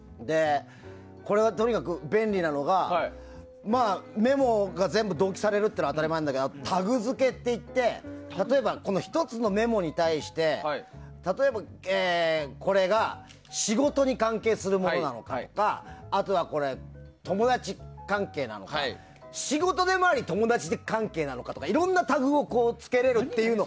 これは、とにかく便利なのがメモが全部同期されるのは当たり前なんだけどタグ付けっていって例えば、１つのメモに対して仕事に関係するものなのかとかあとは友達関係なのかとか仕事でもあり友達関係なのかとかいろんなタグをつけれるという。